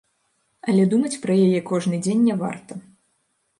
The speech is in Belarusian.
Але думаць пра яе кожны дзень не варта.